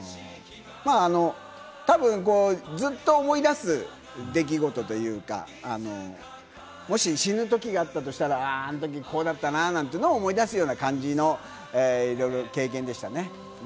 たぶん、ずっと思い出す出来事というか、もし死ぬときがあったとしたら、あのときこうだったななんていうのを思い出すような感じのいろいろ経験でしたね。